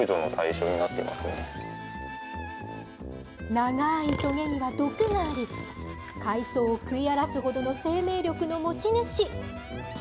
長いとげには毒があり、海草を食い荒らすほどの生命力の持ち主。